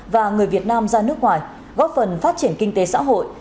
và người việt nam ra nước ngoài góp phần phát triển kinh tế xã hội